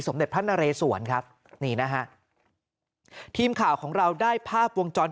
เด็จพระนเรสวนครับนี่นะฮะทีมข่าวของเราได้ภาพวงจร